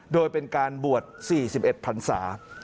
โดยเป็นการบวช๔๑พันศา